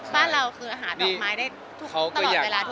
บ้านเราคือหาดอกไม้ได้ตลอดเวลาทุกปี